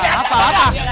lu kan kalau mau bisa biasa